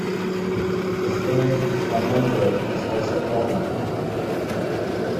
The spelling Bamungo is also often found.